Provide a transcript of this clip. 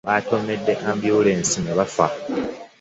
Batomedde ambyulensi ne bafa.